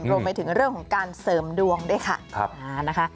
รวมไปถึงเรื่องของการเสริมดวงด้วยค่ะนะคะ